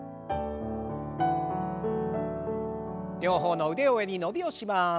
両方の腕を上に伸びをします。